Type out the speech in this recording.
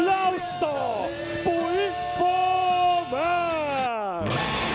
ลาวส์ตอบบวิคโฟแมน